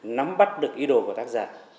nắm bắt được ý đồ của tác giả